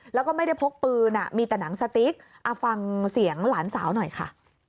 แล้วก็ไม่ได้พกปืนมีแต่หนังสติ๊กเอาฟังเสียงหลานสาวหน่อยค่ะ